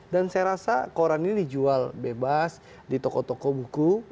dan saya rasa koran ini dijual bebas di toko toko buku